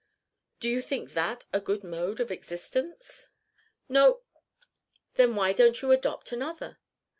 "Do you think that a good mode of existence?" "No." "Then why don't you adopt another?"